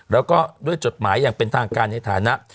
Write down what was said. แล้วก็ด้วยจดหมายอย่างเป็นทางการในฐานะ